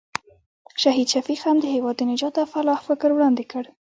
شهید شفیق هم د هېواد د نجات او فلاح فکر وړاندې کړ.